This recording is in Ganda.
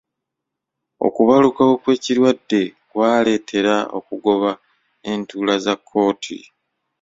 Okubalukawo kw'ekirwadde kwaleetera okugoba entuula za kkooti.